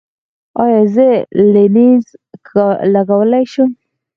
ایا زه لینز لګولی شم؟